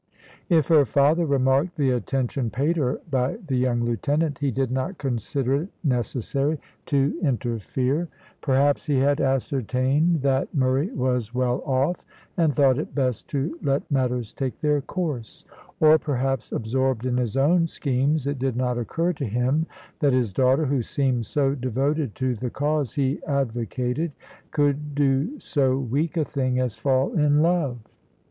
If her father remarked the attention paid her by the young lieutenant, he did not consider it necessary to interfere. Perhaps he had ascertained that Murray was well off, and thought it best to let matters take their course; or, perhaps, absorbed in his own schemes, it did not occur to him that his daughter, who seemed so devoted to the cause he advocated, could do so weak a thing as fall in love.